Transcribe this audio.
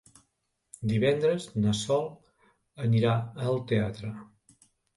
Divendres na Sol anirà al teatre.